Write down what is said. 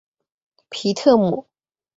皮特姆。